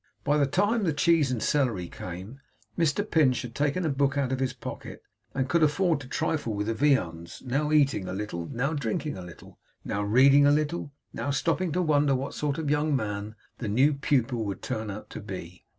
By the time the cheese and celery came, Mr Pinch had taken a book out of his pocket, and could afford to trifle with the viands; now eating a little, now drinking a little, now reading a little, and now stopping to wonder what sort of a young man the new pupil would turn out to be.